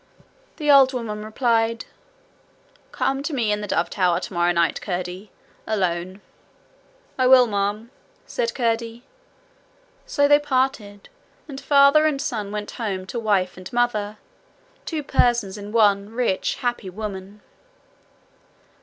The old woman replied: 'Come to me in the dove tower tomorrow night, Curdie alone.' 'I will, ma'am,' said Curdie. So they parted, and father and son went home to wife and mother two persons in one rich, happy woman.